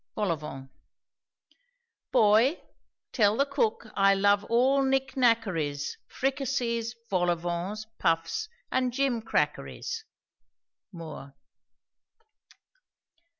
VOL AU VENT. Boy, tell the cook I love all nicknackeries, Fricasees, vol au vents, puffs, and gimcrackeries. MOORE.